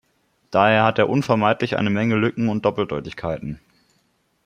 Daher hat er unvermeidlich eine Menge Lücken und Doppeldeutigkeiten.